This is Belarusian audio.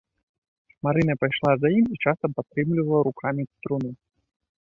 Марына пайшла за ім і часам падтрымлівала рукамі труну.